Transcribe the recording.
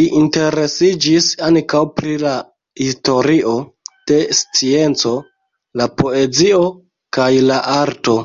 Li interesiĝis ankaŭ pri la historio de scienco, la poezio kaj la arto.